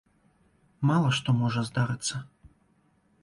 Мала што можа здарыцца.